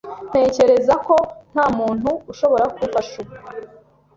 Ntekereza ko nta muntu ushobora kumfasha ubu